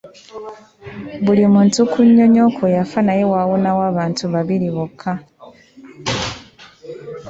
Buli muntu ku nnyonyi okwo yafa naye waawonawo abantu babiri bokka.